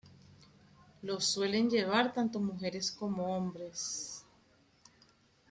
Los suelen llevar tanto mujeres como hombres.